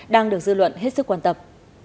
đang được dư luận hết sức quan tập